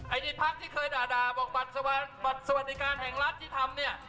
อันนี้พักที่เคยด่าบอกบัตรสวัสดิการแห่งรัฐที่ทำเนี่ย